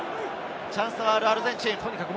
チャンスはあるアルゼンチン。